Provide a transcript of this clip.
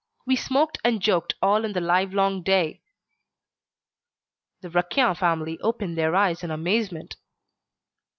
We smoked and joked all the livelong day." The Raquin family opened their eyes in amazement.